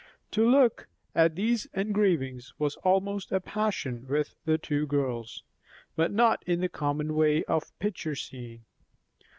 To look at these engravings was almost a passion with the two girls; but not in the common way of picture seeing.